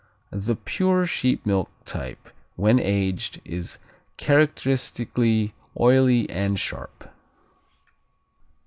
The pure sheep milk type when aged is characteristically oily and sharp.